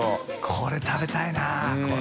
これ食べたいなこれ。